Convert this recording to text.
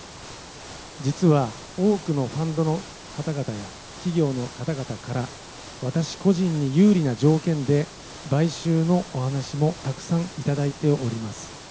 実は、多くのファンドの方々や企業の方々から、私個人に有利な条件で買収のお話もたくさん頂いております。